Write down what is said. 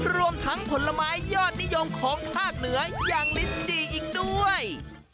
รวมทั้งผลไม้ยอดนิยมของภาคเหนืออย่างลิ้นจีอีกด้วย